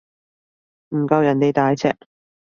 唔夠人哋大隻